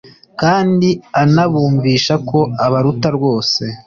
kandi anabumvisha ko abaruta rwose.